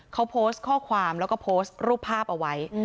เขาโพสต์ข้อความแล้วก็โพสต์รูปภาพเอาไว้